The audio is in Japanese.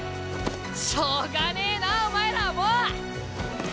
しょうがねえなお前らはもう！